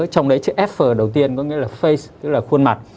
trong đấy chữ f đầu tiên có nghĩa là face tức là khuôn mặt